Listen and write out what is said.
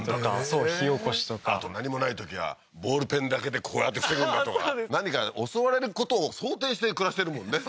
そう火起こしとかあと何もないときはボールペンだけでこうやって防ぐんだとか何かに襲われることを想定して暮らしてるもんね